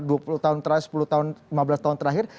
dua puluh tahun terakhir sepuluh tahun lima belas tahun terakhir